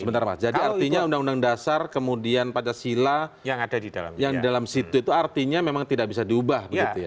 sebentar mas jadi artinya undang undang dasar kemudian pancasila yang dalam situ itu artinya memang tidak bisa diubah begitu ya